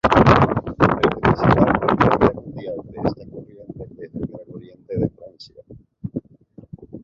El principal referente mundial de esta corriente es el Gran Oriente de Francia.